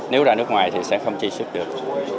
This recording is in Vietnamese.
nếu ra nước ngoài thì sẽ không chi xuất được